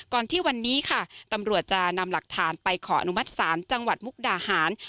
ที่วันนี้ค่ะตำรวจจะนำหลักฐานไปขออนุมัติศาลจังหวัดมุกดาหาร